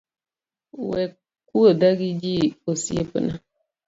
We kuodha gi ji osiepna